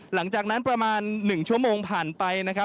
หลังจากนั้นประมาณ๑ชั่วโมงผ่านไปนะครับ